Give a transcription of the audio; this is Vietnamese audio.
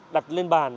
đặt lên bàn